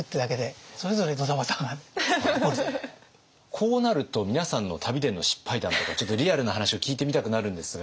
こうなると皆さんの旅での失敗談とかちょっとリアルな話を聞いてみたくなるんですが。